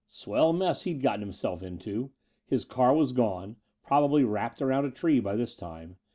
Swell mess he'd gotten himself into! His car was gone: probably wrapped around a tree by this time.